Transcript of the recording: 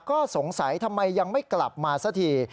ก็สงสัยทำไมยังไม่กลับมาสักที